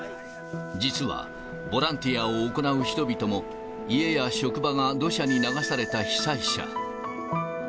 実は、ボランティアを行う人々も家や職場が土砂に流された被災者。